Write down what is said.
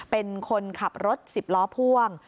เป็นคนขับรถ๑๐ล้อพ่วง